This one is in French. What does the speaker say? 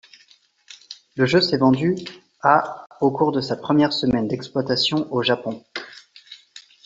Le jeu s'est vendu à au cours de sa première semaine d'exploitation au Japon.